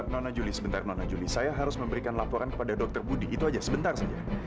nona julie sebentar nona julie saya harus memberikan laporan kepada dr budi itu aja sebentar saja